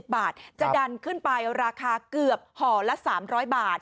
บาทจะดันขึ้นไปราคาเกือบห่อละ๓๐๐บาท